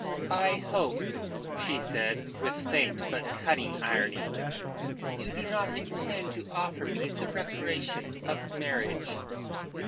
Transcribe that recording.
"I hope," she said, with faint but cutting irony, "you do not intend to offer me the reparation of marriage."